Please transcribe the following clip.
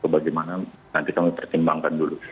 bagaimana nanti kami pertimbangkan dulu